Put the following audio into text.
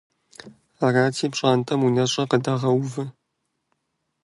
Арати, пщӀантӀэм унэщӀэ къыдагъэувэ.